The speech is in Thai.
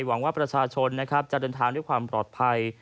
หวังว่าประชาชนนะครับจะเดินทางด้วยความปลอดภัย